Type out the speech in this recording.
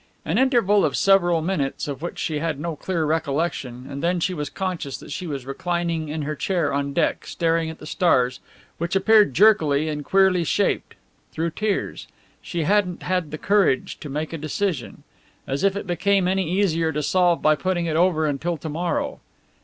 An interval of several minutes of which she had no clear recollection, and then she was conscious that she was reclining in her chair on deck, staring at the stars which appeared jerkily and queerly shaped through tears. She hadn't had the courage to make a decision. As if it became any easier to solve by putting it over until to morrow!